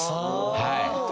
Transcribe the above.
はい。